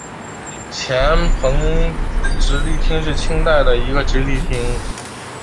黔彭直隶厅是清代的一个直隶厅。